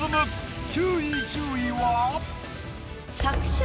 ９位１０位は。